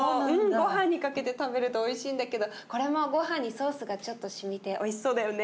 ごはんにかけて食べるとおいしいんだけどこれはごはんにソースがちょっとしみておいしそうだよね。